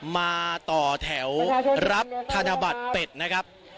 มาต่อแถวรับธนบัตรเป็ดนะครับ